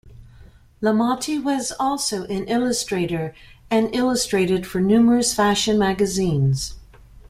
Lamotte was also an illustrator and illustrated for numerous fashion magazines.